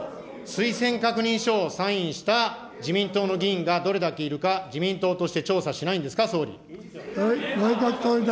推薦確認書をサインした自民党の議員がどれだけいるか、自民党として調査しないんですか、総理。